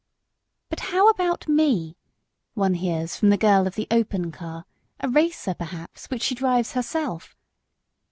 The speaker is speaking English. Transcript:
"But how about me?" one hears from the girl of the open car a racer perhaps, which she drives herself.